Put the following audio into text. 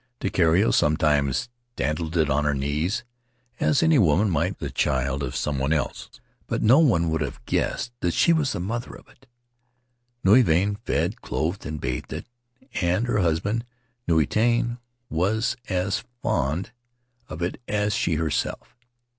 Takiero sometimes dandled it on her knee, as any woman might the child of some one else; but no one would have guessed that she was the mother of it. Nui Vahine fed, clothed, and bathed it, and her husband, Nui Tane, was as fond of it as she herself.